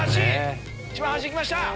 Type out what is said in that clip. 一番端いきました。